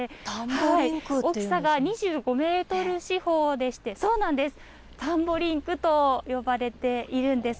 大きさが２５メートル四方でして、田んぼリンクと呼ばれているんです。